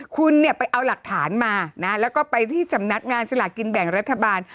คุณเนี่ยไปเอาหลักฐานมานะแล้วก็ไปที่สำนักงานสลากินแบ่งรัฐบาล